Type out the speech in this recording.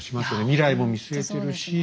未来も見据えてるし。